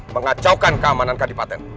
mengacaukan keamanan kadipaten